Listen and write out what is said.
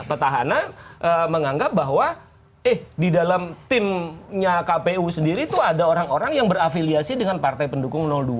petahana menganggap bahwa eh di dalam timnya kpu sendiri itu ada orang orang yang berafiliasi dengan partai pendukung dua